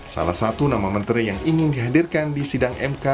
salah satu nama menteri yang ingin dihadirkan di sidang mk